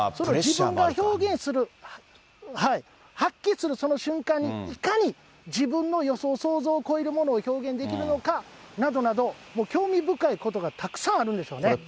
自分が表現する、発揮するその瞬間に、いかに自分の予想、想像を超えるものを表現できるのかなどなど、興味深いことがたくさんあるんですよね。